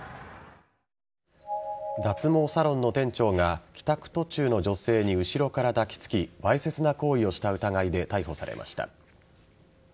脱毛サロンの店長が帰宅途中の女性に後ろから抱きつきわいせつな行為をした疑いで逮捕されました。